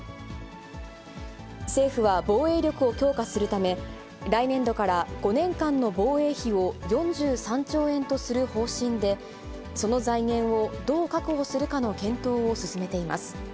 政府は防衛力を強化するため、来年度から５年間の防衛費を４３兆円とする方針で、その財源をどう確保するかの検討を進めています。